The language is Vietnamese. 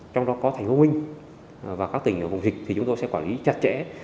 trong đó có thành phố nguyên và các tỉnh ở vùng dịch thì chúng tôi sẽ quản lý chặt chẽ